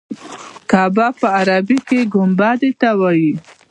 قبه په عربي کې ګنبدې ته وایي.